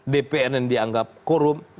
dpr yang dianggap korup